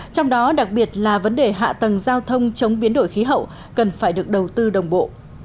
trong đó đặc biệt là vấn đề hạ tầng giao thông chống biến đổi khí hậu cần phải được đầu tư đồng bộ